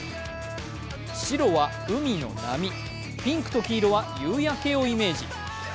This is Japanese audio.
白は海の波、ピンクと黄色は夕焼けをイメージ。